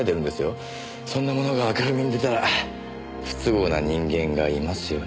そんなものが明るみに出たら不都合な人間がいますよね。